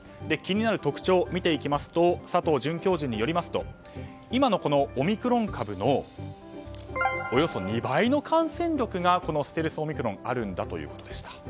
気になる特徴を見ていきますと佐藤准教授によりますと今のオミクロン株のおよそ２倍の感染力がこのステルスオミクロンはあるんだということでした。